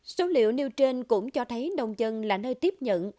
số liệu nêu trên cũng cho thấy nông dân là nơi tiếp nhận